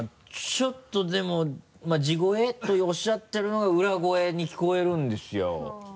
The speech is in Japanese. ちょっとでもまぁ地声とおっしゃってるのが裏声に聞こえるんですよ。